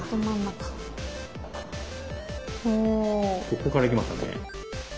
ここからいきましたね。